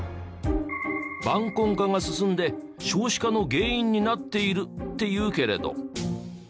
晩婚化が進んで少子化の原因になっているって言うけれど。